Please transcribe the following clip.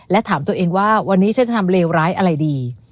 และถามตัวเองว่าวันนี้ฉันจะทำเลวร้ายอะไรดี